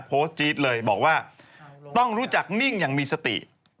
จี๊ดเลยบอกว่าต้องรู้จักนิ่งอย่างมีสติ